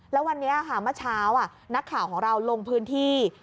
แล้ววันนี้ค่ะเมื่อเช้านักข่าวของเราลงพื้นที่